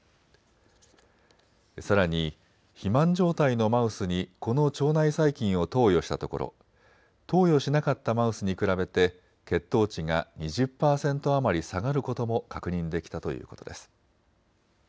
さらに肥満状態のマウスにこの腸内細菌を投与したところ投与しなかったマウスに比べて血糖値が２０％余り下がることも確認できたということです。